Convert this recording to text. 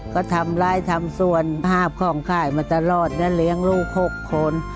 ก็ทำร้ายทำส่วนภาพของขายมาตลอดและเลี้ยงลูก๖คน